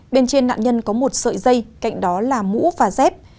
bên trên nạn nhân có một sợi dây cạnh đó là mũ và dép